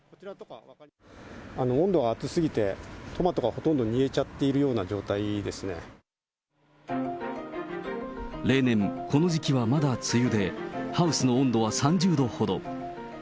温度が暑すぎて、トマトがほとんど煮えちゃっているような状例年、この時期はまだ梅雨で、ハウスの温度は３０度ほど。